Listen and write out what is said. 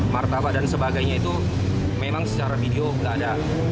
martabak dan sebagainya itu memang secara video nggak ada